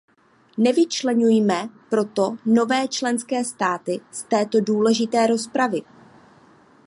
Nevyčleňujme proto nové členské státy z této důležité rozpravy.